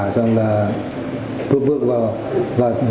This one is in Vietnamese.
xong là vượt vượt vào vượt lên hẻ rồi